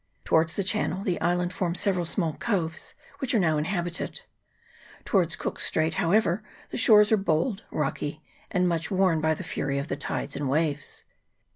Towards the channel the island forms several small coves, which are now inhabited ; towards Cook's Straits, however, the shores are bold, rocky, and much worn by the fury of the tides and waves.